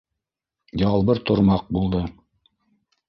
Ялбыр тормаҡ булды.